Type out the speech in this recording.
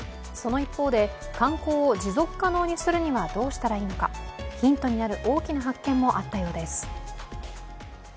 その一方で、観光を持続可能にするためにはどうしたらいいのかヒントになる大きな発見もあったようです。